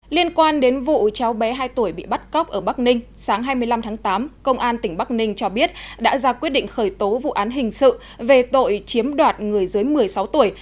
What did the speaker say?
liên quan đến vụ cháu bé hai tuổi bị bắt cóc ở bắc ninh sáng hai mươi năm tháng tám công an tỉnh bắc ninh cho biết đã ra quyết định khởi tố vụ án hình sự về tội chiếm đoạt người dưới một mươi sáu tuổi